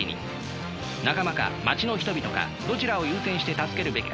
仲間か街の人々かどちらを優先して助けるべきか。